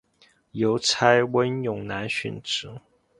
邮差温勇男殉职。